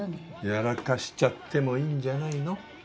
やらかしちゃってもいいんじゃないの？